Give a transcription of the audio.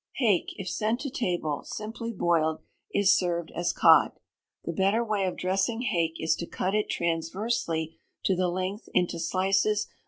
Hake, if sent to table, simply boiled, is served as cod. The better way of dressing hake is to cut it transversely to the length into slices about one inch in thickness.